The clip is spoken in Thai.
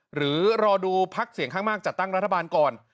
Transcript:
หรือรอดูพักเสียงข้างมากจัดตั้งรัฐบาลก่อน